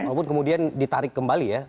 walaupun kemudian ditarik kembali ya